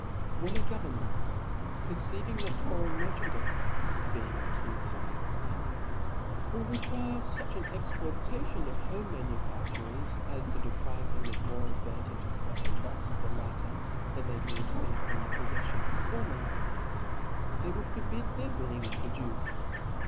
when a go vernment perceiving that foreign merchandizes^ being at too high a price, will require fuch an exportation of home manufa&ures, as to de* prive them of more advantages by the lofs of the latter, than they can receive from the pofleflioQ of the. former, they will forbid their being in* troduced.